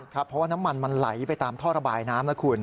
เพราะว่าน้ำมันมันไหลไปตามท่อระบายน้ำนะคุณ